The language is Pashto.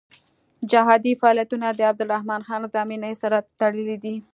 جهادي فعالیتونه د عبدالرحمن خان زمانې سره تړلي دي.